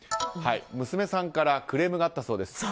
娘さんからクレームがあったそうです。